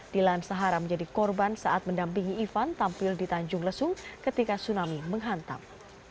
dilan sahara menjadi korban saat mendampingi ivan tampil di tanjung lesung ketika tsunami menghantam